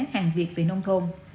hàng việc về nông thôn